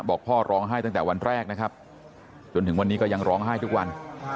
บอกพ่อร้องไห้ตั้งแต่วันแรกนะครับจนถึงวันนี้ก็ยังร้องไห้ทุกวัน